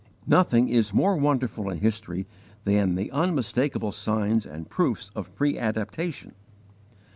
Nothing is more wonderful in history than the unmistakable signs and proofs of _preadaptation.